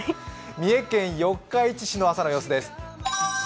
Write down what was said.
三重県四日市市の朝の様子です。